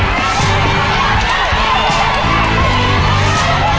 ไปเลยลูก